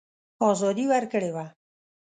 آزادي ورکړې وه.